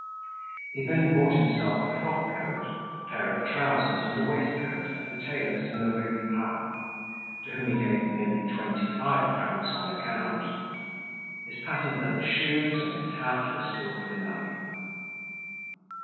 He then bought himself a frock coat, a pair of trousers and a waistcoat at a tailor's in the Rue Myrrha, to whom he gave merely twenty five francs on account; his patent leather shoes and his hat were still good enough.